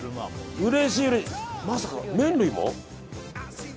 まさか麺類も？